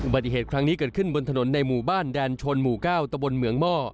ปฏิเหตุครั้งนี้เกิดขึ้นบนถนนในหมู่บ้านแดนชนหมู่๙ตะบนเหมืองหม้อ